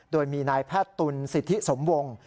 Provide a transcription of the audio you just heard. โดยมีนายแพทย์ตุลสิทธิสมวงศ์